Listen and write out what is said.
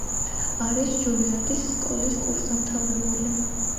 არის ჯულიარდის სკოლის კურსდამთავრებული.